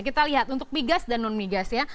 kita lihat untuk migas dan non migas ya